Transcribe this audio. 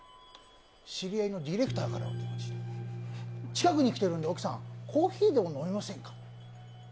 知り合いのディレクターからの電話で近くに来てるんで、大木さん、コーヒーでも飲みませんか？